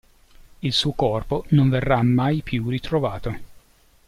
Il suo corpo non verrà mai più ritrovato.